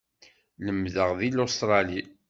Lemdeɣ deg Lustṛali.